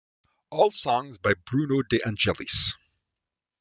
All songs by Bruno De Angelis.